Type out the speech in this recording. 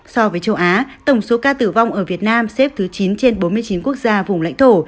so với châu á tổng số ca tử vong ở việt nam xếp thứ chín trên bốn mươi chín quốc gia vùng lãnh thổ